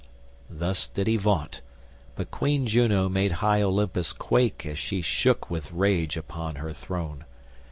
Thus did he vaunt, but Queen Juno made high Olympus quake as she shook with rage upon her throne.